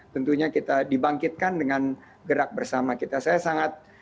tentunya kita dibangkitkan dengan gerak bersama kita saya sangat